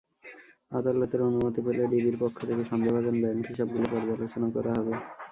আদালতের অনুমতি পেলে ডিবির পক্ষ থেকে সন্দেহভাজন ব্যাংক হিসাবগুলো পর্যালোচনা করা হবে।